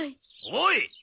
おい！